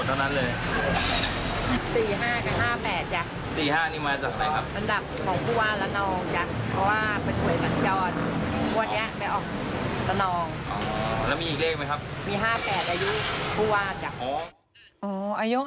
มีห้าแปดอายุผู้ว่าจักร